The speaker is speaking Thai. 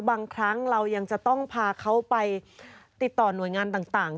บางครั้งเรายังจะต้องพาเขาไปติดต่อหน่วยงานต่าง